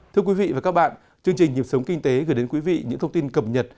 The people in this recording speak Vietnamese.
thưa quý vị và các bạn chương trình nhịp sống kinh tế gửi đến quý vị những thông tin cập nhật